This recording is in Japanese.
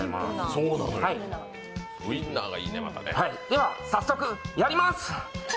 では、早速、やります！